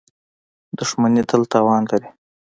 • دښمني تل تاوان لري.